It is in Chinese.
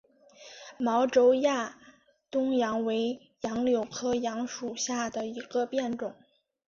毛轴亚东杨为杨柳科杨属下的一个变种。